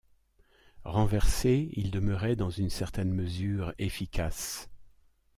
Renversé, il demeurait, dans une certaine mesure, efficace.